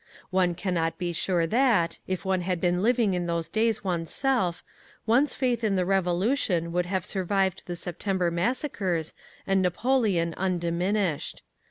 One cannot be sure that, if one had been living in those days oneself, one's faith in the Revolution would have survived the September massacres and Napoleon undiminished.